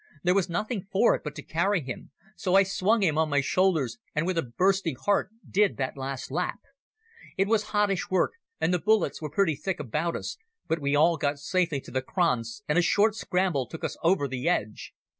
There was nothing for it but to carry him, so I swung him on my shoulders, and with a bursting heart did that last lap. It was hottish work, and the bullets were pretty thick about us, but we all got safely to the kranz, and a short scramble took us over the edge.